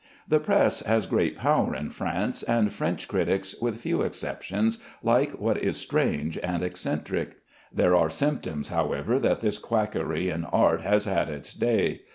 The press has great power in France, and French critics, with few exceptions, like what is strange and eccentric. There are symptoms, however, that this quackery in art has had its day.